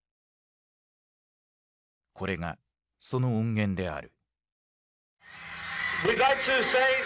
これがその音源である。